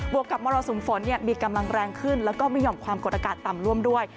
วกกับมรสุมฝนมีกำลังแรงขึ้นแล้วก็มีห่อมความกดอากาศต่ำร่วมด้วย